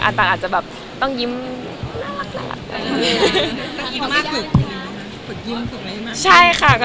อาตานอาจจะแบบต้องยิ้มน่ารักน่ะ